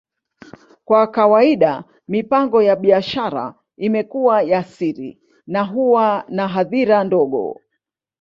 Kwa kawaida, mipango ya biashara imekuwa ya siri na huwa na hadhira ndogo.